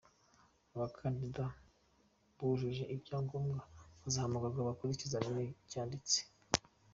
Abakandida bujuje ibyangombwa bazahamagarwa bakore ikizamini cyanditse.